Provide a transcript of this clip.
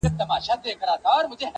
چي ستا تر تورو غټو سترگو اوښكي وڅڅيږي